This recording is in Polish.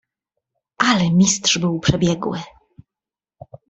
"Ale Mistrz był przebiegły."